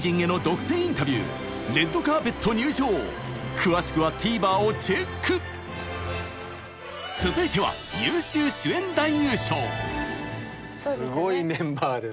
詳しくはＴＶｅｒをチェック続いてはすごいメンバーです。